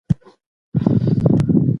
وروسته ما د يوه بل ليکوال ناول پيدا کړ.